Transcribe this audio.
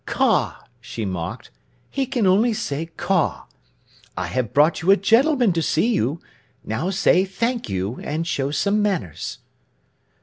"Caw!" she mocked. "He can only say 'Caw!' I have brought you a gentleman to see you. Now say 'Thank you,' and show some manners."